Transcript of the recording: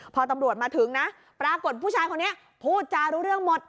พอตำรวจมาถึงนะปรากฏผู้ชายคนนี้พูดจารู้เรื่องหมด